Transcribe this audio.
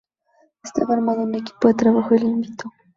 Estaba armando un equipo de trabajo y la invitó.